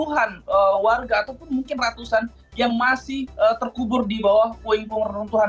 dan masih banyak puluhan warga ataupun mungkin ratusan yang masih terkubur di bawah puing puing rentuhan